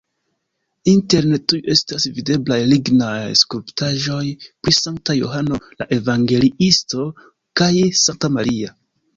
Interne tuj estas videblaj lignaj skulptaĵoj pri Sankta Johano la Evangeliisto kaj Sankta Maria.